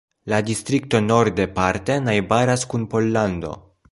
La distrikto norde parte najbaras kun Pollando.